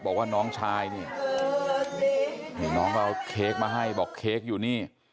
บอกว่าน้องชายนี่นี่น้องก็เอาเค้กมาให้บอกเค้กอยู่นี่